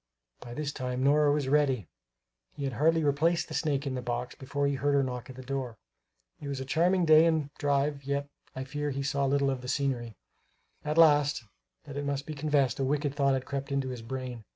By this time Nora was ready; he had hardly replaced the snake in the box before he heard her knock at the door. It was a charming day and drive, yet I fear he saw little of the scenery. Alas, that it must be confessed, a wicked thought had crept into his brain.